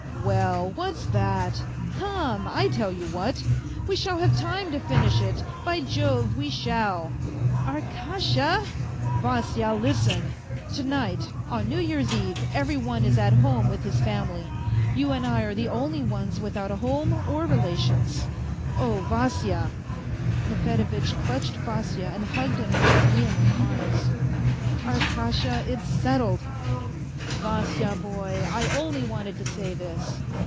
" Well, what's that ? Come, I tell you what. We shall have time to finish it, by Jove, we shall !"" Arkasha !"" Vasya, listen ! To night, on New Year's Eve, every one is at home with his family. You and I are the only ones without a home or relations. ... Oh, Vasya !" Nefedevitch clutched Vasya and hugged him in his leonine arms. " Arkasha, it's settled." " Vasya, boy, I only wanted to say this.